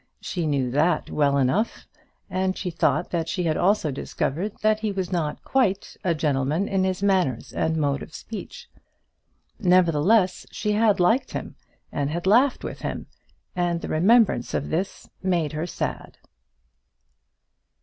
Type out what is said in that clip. She knew that well enough, and she thought that she had also discovered that he was not quite a gentleman in his manners and mode of speech. Nevertheless she had liked him, and had laughed with him, and the remembrance of this made her sad.